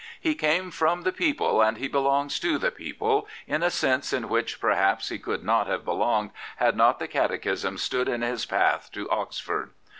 He came from the people, and he belongs to the people in a sense in which, perhaps, he could not have belonged had not the Catechism stood in his path to Oxford.